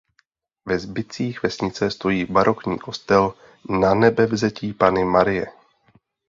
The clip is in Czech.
Ve zbytcích vesnice stojí barokní kostel Nanebevzetí Panny Marie.